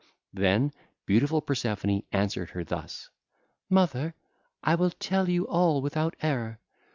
(ll. 405 433) Then beautiful Persephone answered her thus: 'Mother, I will tell you all without error.